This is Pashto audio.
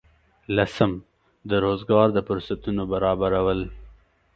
لسم: د روزګار د فرصتونو برابرول.